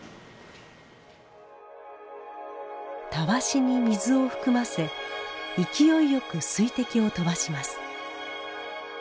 たわしに水を含ませ勢いよく水滴を飛ばします。